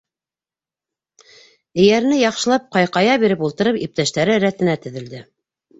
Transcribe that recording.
Эйәренә яҡшылап ҡайҡая биреп ултырып, иптәштәре рәтенә теҙелде.